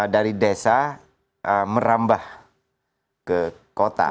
dari desa merambah ke kota